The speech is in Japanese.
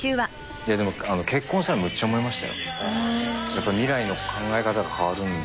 やっぱ未来の考え方が変わるんで。